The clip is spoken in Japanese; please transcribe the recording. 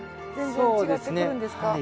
そうですねはい。